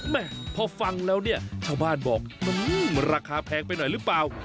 แม่พอฟังแล้วเนี่ยชาวบ้านบอกมันราคาแพงไปหน่อยหรือเปล่า